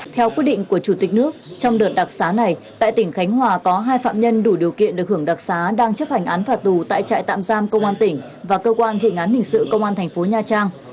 theo quyết định của chủ tịch nước trong đợt đặc xá này tại tỉnh khánh hòa có hai phạm nhân đủ điều kiện được hưởng đặc xá đang chấp hành án phạt tù tại trại tạm giam công an tỉnh và cơ quan thịnh án hình sự công an thành phố nha trang